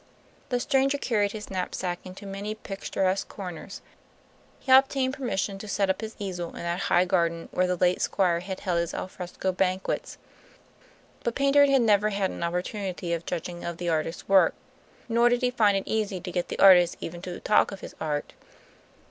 The stranger carried his knapsack into many picturesque corners; he obtained permission to set up his easel in that high garden where the late Squire had held his al fresco banquets. But Paynter had never had an opportunity of judging of the artist's work, nor did he find it easy to get the artist even to talk of his art.